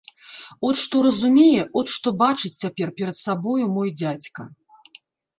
От што разумее, от што бачыць цяпер перад сабою мой дзядзька.